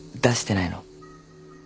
出してないの？